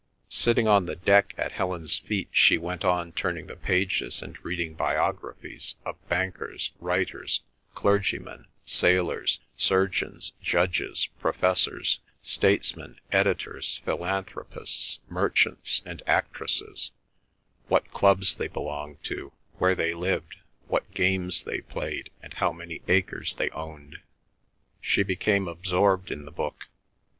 '" Sitting on the deck at Helen's feet she went on turning the pages and reading biographies of bankers, writers, clergymen, sailors, surgeons, judges, professors, statesmen, editors, philanthropists, merchants, and actresses; what clubs they belonged to, where they lived, what games they played, and how many acres they owned. She became absorbed in the book.